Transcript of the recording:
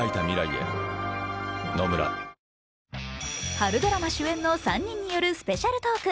春ドラマ主演の３人によるスペシャルトーク。